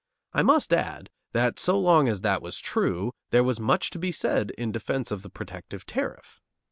I must add that so long as that was true, there was much to be said in defence of the protective tariff.